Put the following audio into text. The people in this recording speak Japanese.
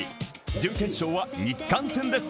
準決勝は日韓戦です。